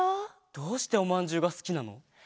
どうしておまんじゅうがすきなの？